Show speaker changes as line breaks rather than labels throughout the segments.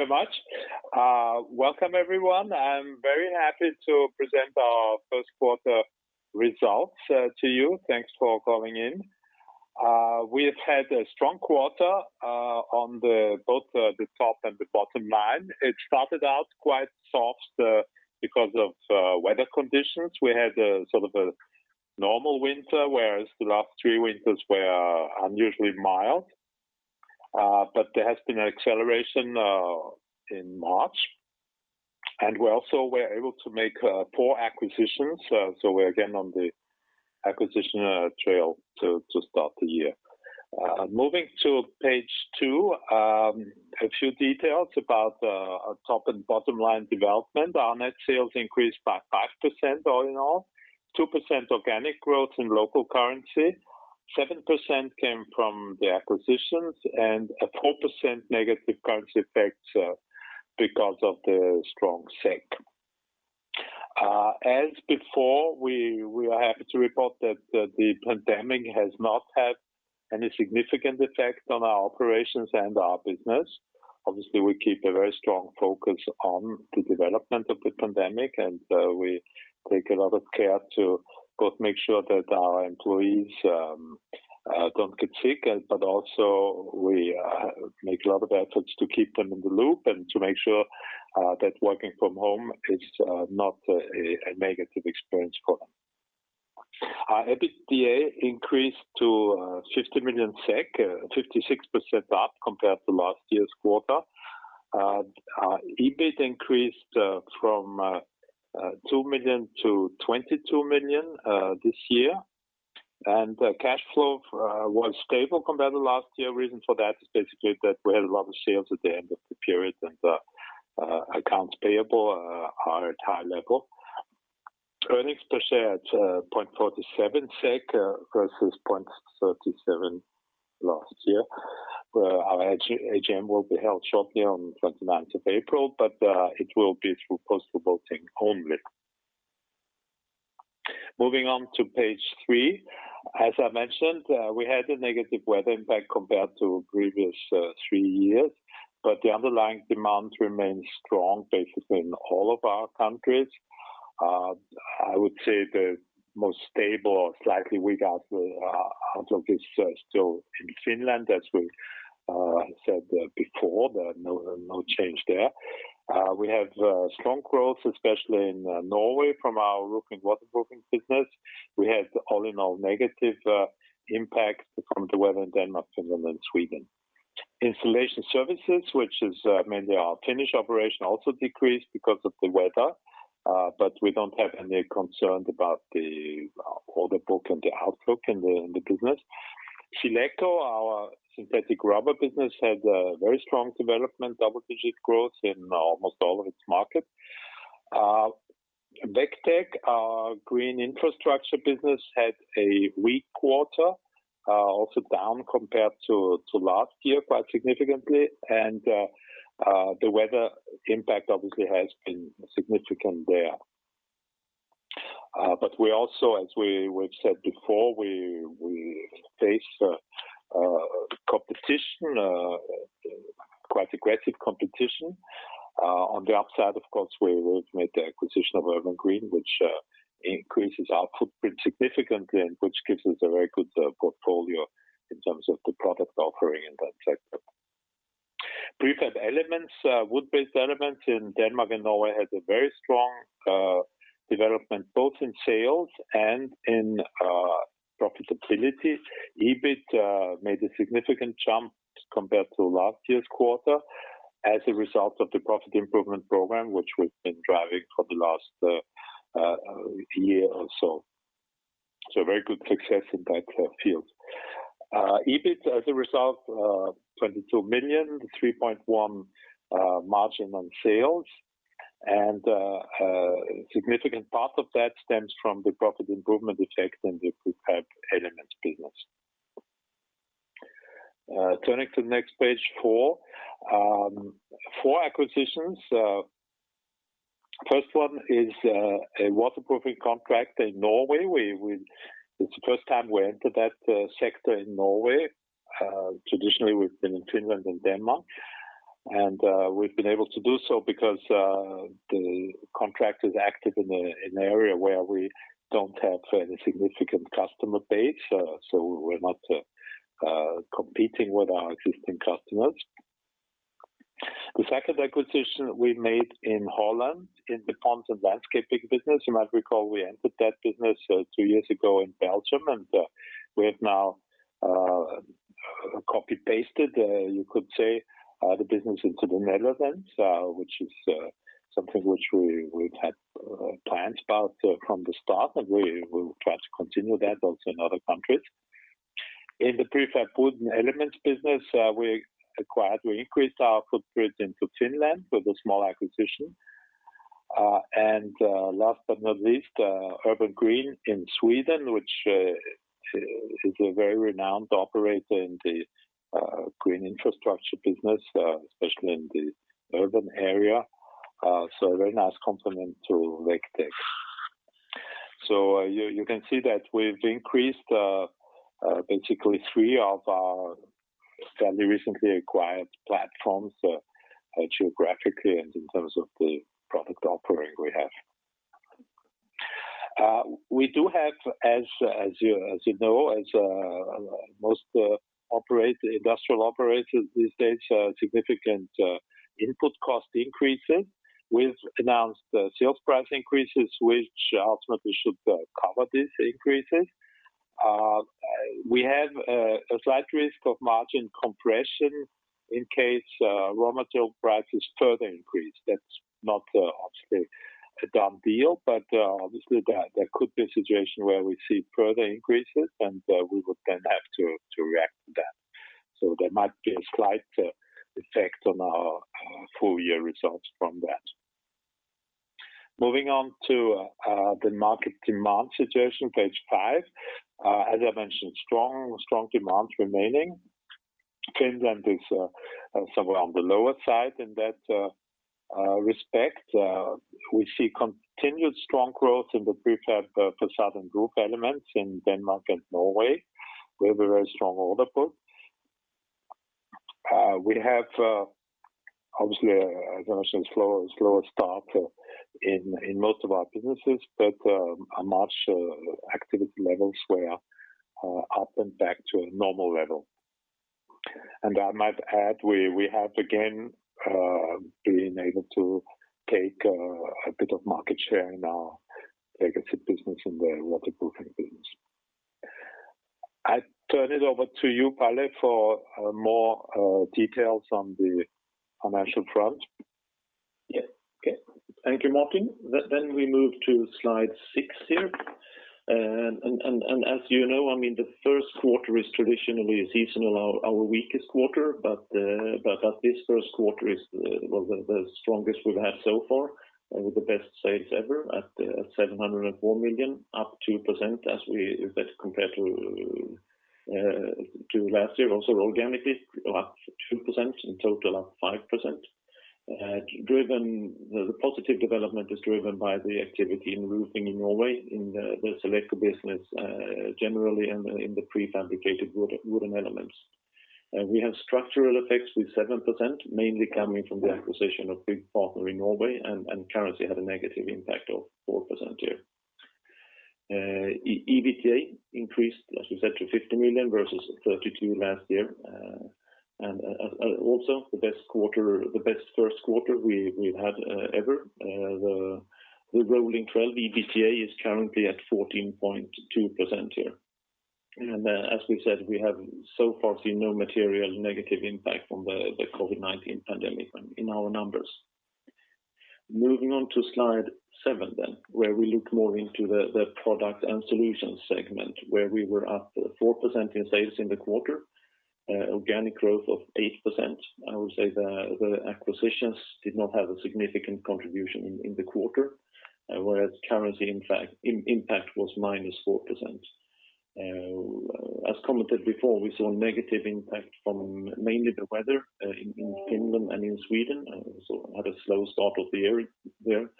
Very much. Welcome, everyone. I'm very happy to present our first quarter results to you. Thanks for calling in. We've had a strong quarter on both the top and the bottom line. It started out quite soft because of weather conditions. We had a normal winter, whereas the last three winters were unusually mild. There has been an acceleration in March, and we also were able to make four acquisitions. We're again on the acquisition trail to start the year. Moving to page two, a few details about our top and bottom line development. Our net sales increased by 5% all in all, 2% organic growth in local currency, 7% came from the acquisitions, and a 4% negative currency effect because of the strong SEK. As before, we are happy to report that the pandemic has not had any significant effect on our operations and our business. Obviously, we keep a very strong focus on the development of the pandemic. We take a lot of care to both make sure that our employees don't get sick, but also we make a lot of efforts to keep them in the loop and to make sure that working from home is not a negative experience for them. Our EBITDA increased to 50 million SEK, 56% up compared to last year's quarter. Our EBIT increased from 2 million-22 million this year. Cash flow was stable compared to last year. Reason for that is basically that we had a lot of sales at the end of the period. Accounts payable are at high level. Earnings per share at 0.47 SEK versus 0.37 last year, where our AGM will be held shortly on the 29th of April, but it will be through postal voting only. Moving on to page three. As I mentioned, we had a negative weather impact compared to previous three years, but the underlying demand remains strong, basically in all of our countries. I would say the most stable or slightly weaker out of this still in Finland, as we have said before, no change there. We have strong growth, especially in Norway from our roofing waterproofing business. We had all in all negative impacts from the weather in Denmark, Finland, and Sweden. Installation services, which is mainly our Finnish operation, also decreased because of the weather, but we don't have any concerns about the order book and the outlook in the business. SealEco, our synthetic rubber business, had a very strong development, double-digit growth in almost all of its markets. Veg Tech, our green infrastructure business, had a weak quarter, also down compared to last year, quite significantly. The weather impact obviously has been significant there. We also, as we've said before, we face competition, quite aggressive competition. On the upside, of course, we've made the acquisition of Urban Green, which increases our footprint significantly and which gives us a very good portfolio in terms of the product offering in that sector. Prefab Elements, wood-based elements in Denmark and Norway, had a very strong development both in sales and in profitability. EBIT made a significant jump compared to last year's quarter as a result of the profit improvement program, which we've been driving for the last year or so. Very good success in that field. EBIT, as a result, 22 million, 3.1% margin on sales, and a significant part of that stems from the profit improvement effects in the Prefab Elements business. Turning to the next page, four. Four acquisitions. First one is a waterproofing contractor in Norway. It's the first time we entered that sector in Norway. Traditionally, we've been in Finland and Denmark. We've been able to do so because the contract is active in an area where we don't have any significant customer base, so we're not competing with our existing customers. The second acquisition we made in Holland in the ponds and landscaping business. You might recall we entered that business 2 years ago in Belgium, and we have now copy-pasted, you could say, the business into the Netherlands, which is something which we've had plans about from the start, and we will try to continue that also in other countries. In the Prefabricated wood elements business, we increased our footprint into Finland with a small acquisition. Last but not least, Urban Green in Sweden, which is a very renowned operator in the green infrastructure business, especially in the urban area. A very nice complement to Veg Tech. You can see that we've increased basically three of our fairly recently acquired platforms geographically and in terms of the product offering we have. We do have, as you know, as most industrial operators these days, significant input cost increases. We've announced sales price increases, which ultimately should cover these increases. We have a slight risk of margin compression in case raw material prices further increase. That's not obviously a done deal, but obviously there could be a situation where we see further increases, and we would then have to react to that. There might be a slight effect on our full-year results from that. Moving on to the market demand situation, page five. As I mentioned, strong demand remaining. Finland is somewhere on the lower side in that respect. We see continued strong growth in the prefab facade and roof elements in Denmark and Norway. We have a very strong order book. We have obviously, as I mentioned, a slower start in most of our businesses, but our March activity levels were up and back to a normal level. I might add, we have again been able to take a bit of market share in our legacy business in the waterproofing business. I turn it over to you, Per-Olof Schrewelius, for more details on the financial front.
Yeah. Okay. Thank you, Martin. We move to slide six here. As you know, the first quarter is traditionally seasonal, our weakest quarter, this first quarter was the strongest we’ve had so far, with the best sales ever at 704 million, up 2% compared to last year. Also organically up 2%, in total up 5%. The positive development is driven by the activity in roofing in Norway, in the SealEco business generally, and in the prefabricated wooden elements. We have structural effects with 7%, mainly coming from the acquisition of Byggpartner in Norway. Currency had a negative impact of 4% here. EBITDA increased, as we said, to 50 million versus 32 last year. Also the best first quarter we’ve had ever. The rolling 12 EBITDA is currently at 14.2% here. As we said, we have so far seen no material negative impact from the COVID-19 pandemic in our numbers. Moving on to slide seven, where we look more into the Products and Solutions segment, where we were up 4% in sales in the quarter, organic growth of 8%. I would say the acquisitions did not have a significant contribution in the quarter, whereas currency impact was - 4%. As commented before, we saw a negative impact from mainly the weather in Finland and in Sweden, so had a slow start of the year there.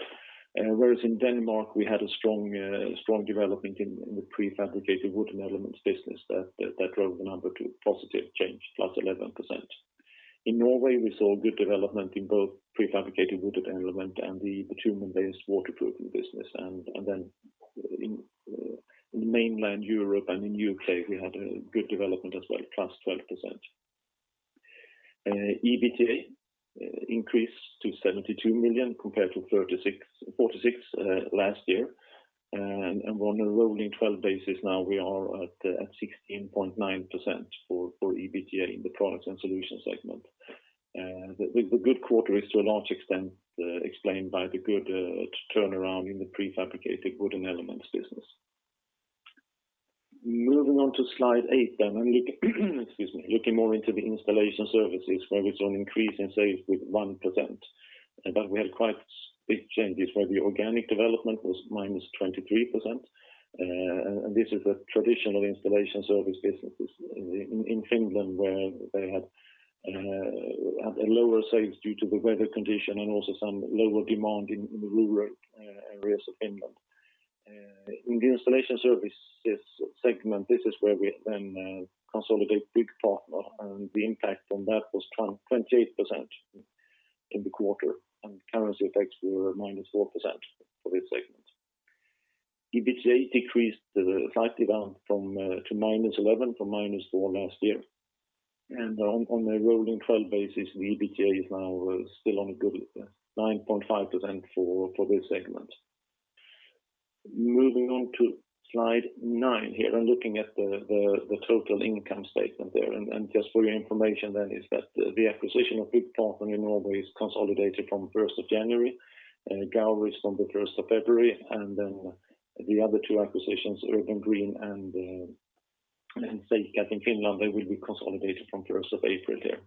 In Denmark, we had a strong development in the prefabricated wooden elements business that drove the number to a positive change, plus 11%. In Norway, we saw good development in both prefabricated wooden element and the bitumen-based waterproofing business. In mainland Europe and in U.K., we had a good development as well, +12%. EBITDA increased to 72 million compared to 46 million last year. On a rolling 12 basis now, we are at 16.9% for EBITDA in the Products and Solutions segment. The good quarter is to a large extent explained by the good turnaround in the prefabricated wooden elements business. Moving on to slide eight, and excuse me, looking more into the installation services, where we saw an increase in sales with 1%, but we had quite big changes, where the organic development was - 23%. This is a traditional installation service businesses in Finland where they had lower sales due to the weather condition and also some lower demand in the rural areas of Finland. In the installation services segment, this is where we then consolidate Byggpartner, and the impact from that was 28% in the quarter, and currency effects were -4% for this segment. EBITDA decreased slightly down to - 11% from - 4% last year. On a rolling 12 basis, the EBITDA is now still on a good 9.5% for this segment. Moving on to slide nine here and looking at the total income statement there. Just for your information then is that the acquisition of Byggpartner in Norway is consolidated from 1st of January, Gjøvik from the 1st of February, and then the other two acquisitions, Urban Green and Seikat in Finland, they will be consolidated from 1st of April there.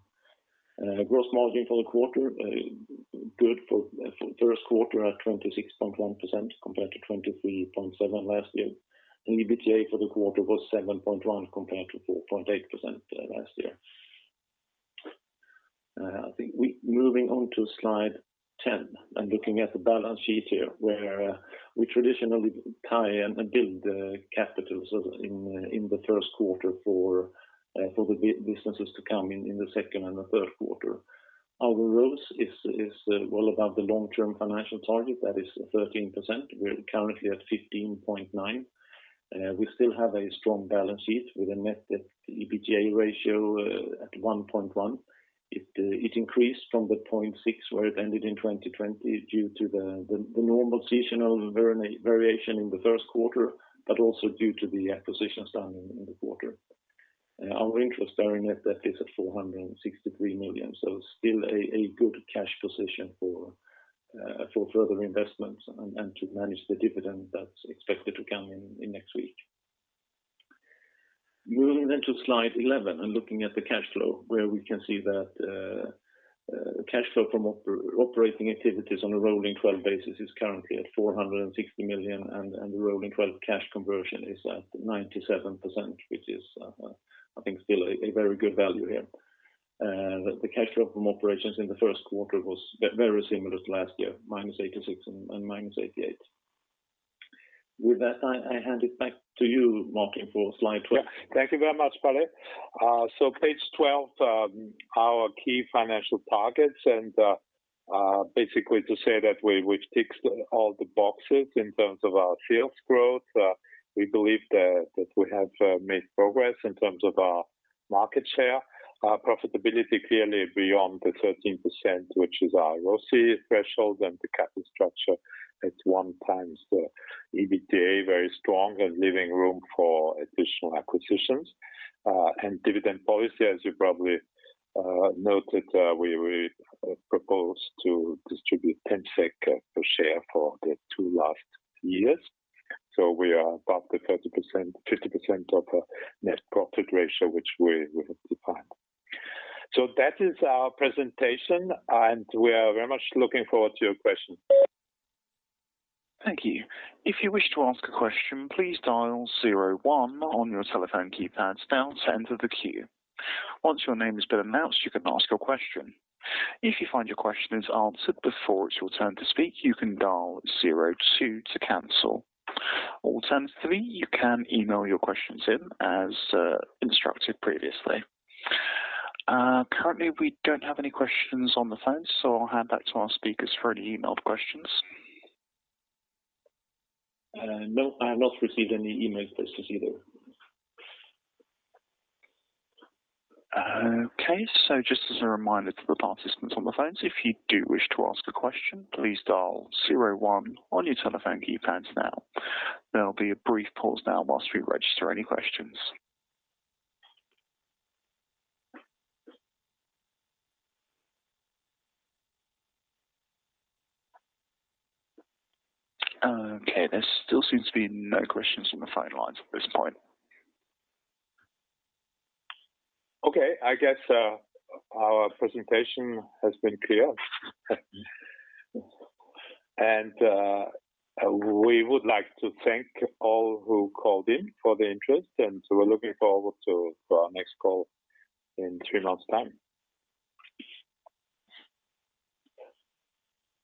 Gross margin for the quarter, good for first quarter at 26.1% compared to 23.7% last year. EBITDA for the quarter was 7.1% compared to 4.8% last year. I think moving on to slide 10 and looking at the balance sheet here, where we traditionally tie and build the capital in the first quarter for the businesses to come in the second and the third quarter. Our ROCE is well above the long-term financial target, that is 13%. We are currently at 15.9%. We still have a strong balance sheet with a net debt EBITDA ratio at 1.1. It increased from the 0.6 where it ended in 2020 due to the normal seasonal variation in the first quarter, but also due to the acquisitions done in the quarter. Our interest-bearing net debt is at 463 million, still a good cash position for further investments and to manage the dividend that's expected to come in next week. Moving to slide 11 and looking at the cash flow where we can see that cash flow from operating activities on a rolling 12 basis is currently at 460 million and the rolling 12 cash conversion is at 97%, which is I think still a very good value here. The cash flow from operations in the first quarter was very similar to last year, minus 86 and minus 88. With that, I hand it back to you, Martin, for slide 12.
Yeah. Thank you very much, Per-Olof Schrewelius. Page 12, our key financial targets and basically to say that we've ticked all the boxes in terms of our sales growth. We believe that we have made progress in terms of our market share. Our profitability clearly beyond the 13%, which is our ROCE threshold, and the capital structure at 1 time the EBITDA, very strong and leaving room for additional acquisitions. And dividend policy, as you probably noted, we proposed to distribute 10 SEK per share for the two last years. We are above the 30%, 50% of net profit ratio, which we have defined. That is our presentation, and we are very much looking forward to your questions.
Thank you. If you wish to ask a question, please dial zero one on your telephone keypads now to enter the queue. Once your name has been announced, you can ask your question. If you find your question is answered before it's your turn to speak, you can dial zero two to cancel. Alternative three, you can email your questions in as instructed previously. Currently, we don't have any questions on the phone, so I'll hand back to our speakers for any emailed questions.
No, I have not received any emails, Christos, either.
Okay. Just as a reminder to the participants on the phones, if you do wish to ask a question, please dial 01 on your telephone keypads now. There'll be a brief pause now while we register any questions. Okay, there still seems to be no questions on the phone lines at this point.
Okay. I guess our presentation has been clear. We would like to thank all who called in for the interest, and so we're looking forward to our next call in three months time.